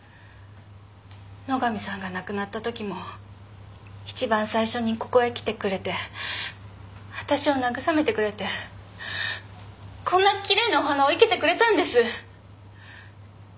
野上さんが亡くなったときも一番最初にここへ来てくれて私を慰めてくれてこんな奇麗なお花を生けてくれたんです。